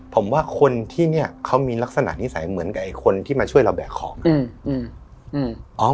ผมว่าคนที่เนี่ยเขามีลักษณะนิสัยเหมือนกับไอ้คนที่มาช่วยเราแบกของอืม